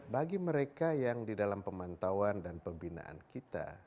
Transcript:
bagi mereka yang di dalam pemantauan dan pembinaan kita